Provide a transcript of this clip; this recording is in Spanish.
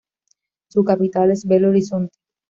Su capital es Belo Horizonte.